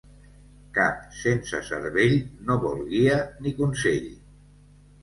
Cap sense cervell no vol guia ni consell.